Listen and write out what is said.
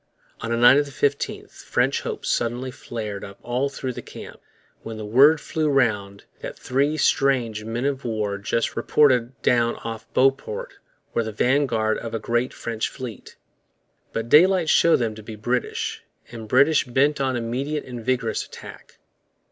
On the night of the 15th French hopes suddenly flared up all through the camp when the word flew round that three strange men of war just reported down off Beauport were the vanguard of a great French fleet. But daylight showed them to be British, and British bent on immediate and vigorous attack.